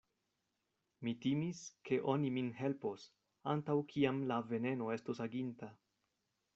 Mi timis, ke oni min helpos, antaŭ kiam la veneno estos aginta.